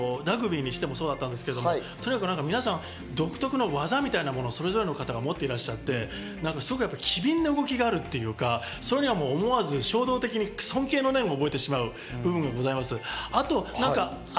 さっきのラグビーにしてもそうだったんですけど、とにかく皆さん独特の技みたいなものをそれぞれの方が持っていらっしゃって、機敏な動きがあるというか、思わず衝動的に尊敬の念を覚えてしまうものがございます。